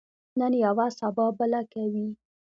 نن یوه، سبا بله کوي.